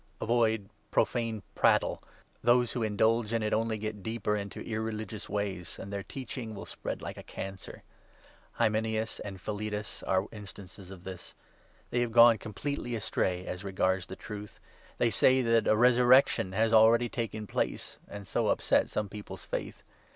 Avoid profane prattle. Those who indulge in it 16 only get deeper into irreligious ways, and their teaching will 17 spread like a cancer. Hymenaeus and Philetus are instances r of this. They have gone completely astray as regards the 18 Truth ;• they say that a resurrection has already taken place, and so upset some people's faith.